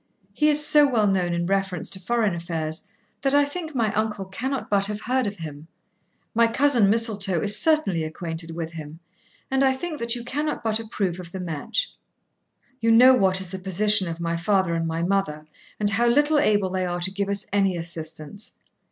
He is so well known in reference to foreign affairs, that I think my uncle cannot but have heard of him; my cousin Mistletoe is certainly acquainted with him; and I think that you cannot but approve of the match. You know what is the position of my father and my mother, and how little able they are to give us any assistance.